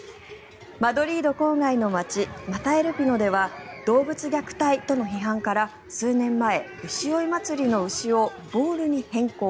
マドリード郊外の街マタエルピノでは動物虐待との批判から数年前牛追い祭りの牛をボールに変更。